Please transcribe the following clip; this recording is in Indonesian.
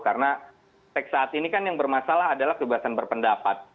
karena saat ini kan yang bermasalah adalah kebiasaan berpendapat